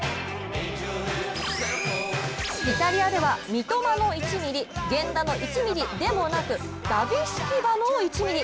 イタリアでは三笘の１ｍｍ、源田の１ｍｍでもなくダヴィスキバの１ｍｍ。